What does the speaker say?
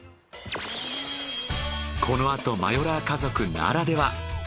このあとマヨラー家族ならでは。